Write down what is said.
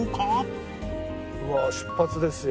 うわあ出発ですよ。